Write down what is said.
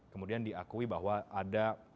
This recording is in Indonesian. kemudian diakui bahwa ada